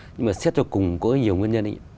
nhưng mà xét cho cùng có nhiều nguyên nhân